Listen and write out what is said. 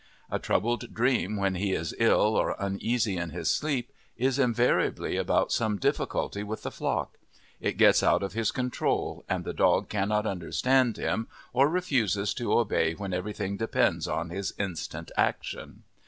A troubled dream when he is ill or uneasy in his sleep is invariably about some difficulty with the flock; it gets out of his control, and the dog cannot understand him or refuses to obey when everything depends on his instant action.